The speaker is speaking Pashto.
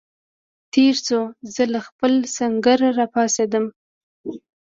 تېر شو، زه له خپل سنګره را پاڅېدم.